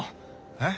えっ？